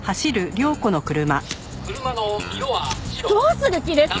「車の色は白」どうする気ですか！？